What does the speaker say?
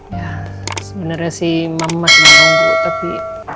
ya sebenernya si mama masih menunggu tapi